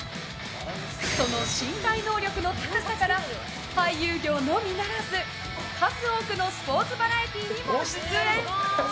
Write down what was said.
その身体能力の高さから俳優業のみならず、数多くのスポーツバラエティーにも出演。